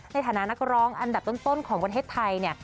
ในฐานะนักร้องอันดับต้นของประเทศไทยเนี่ย